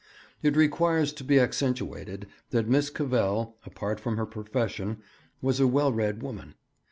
It requires to be accentuated that Miss Cavell, apart from her profession, was a well read woman.